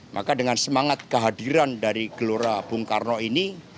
maka dengan semangat kehadiran dari gelora bung karno ini